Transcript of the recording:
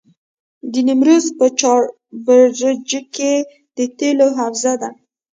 د نیمروز په چاربرجک کې د تیلو حوزه ده.